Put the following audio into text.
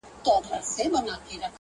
نو نن_